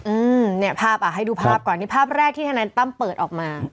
อืมเนี่ยภาพอ่ะให้ดูภาพก่อนนี่ภาพแรกที่ทนายตั้มเปิดออกมา